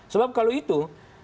sebab kalau itu